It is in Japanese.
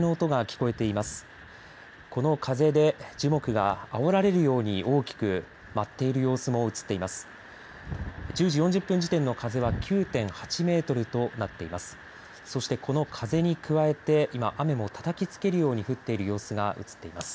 この風で樹木があおられるように大きく舞っている様子も映っています。